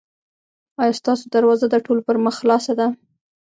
ایا ستاسو دروازه د ټولو پر مخ خلاصه ده؟